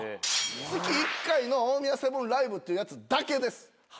月１回の大宮セブンライブっていうやつだけです。